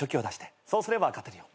そうすれば勝てるよ。